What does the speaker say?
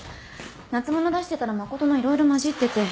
夏物出してたら誠の色々交じってて。